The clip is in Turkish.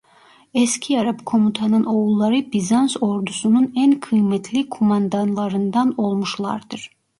Eski Arap komutanın oğulları Bizans ordusunun en kıymetli kumandanlarından olmuşlardır.